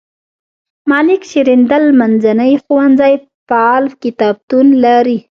ملک شیریندل منځنی ښوونځی فعال کتابتون لري.